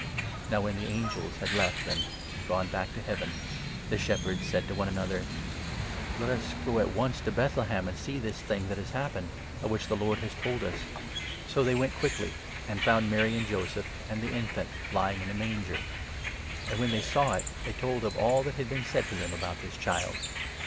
Now, when the angels had left them and gone back to 15 Heaven, the shepherds said to one another :" Let us go at once to Bethlehem, and see this thing that has happened, of which the Lord has told us." So they went quickly, and found Mar} and Joseph, and the 16 infant lying in a manger ; and, when they saw it, they told of 17 all that had been said to them about this child.